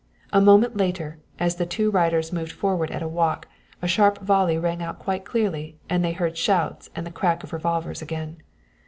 A moment later, as the two riders moved forward at a walk, a sharp volley rang out quite clearly and they heard shouts and the crack of revolvers again.